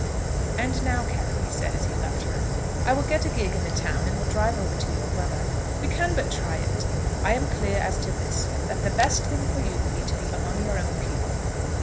"And now, Carry," he said, as he left her, "I will get a gig in the town, and will drive over to your brother. We can but try it. I am clear as to this, that the best thing for you will be to be among your own people."